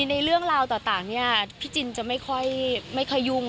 ในเรื่องราวต่างเนี่ยพี่จินจะไม่ค่อยยุ่ง